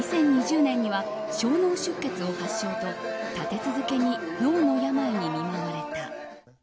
２０２０年には小脳出血を発症と立て続けに脳の病に見舞われた。